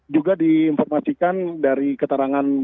juga diinformasikan dari keterangan